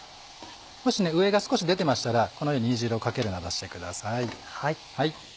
もし上が少し出てましたらこのように煮汁をかけるなどしてください。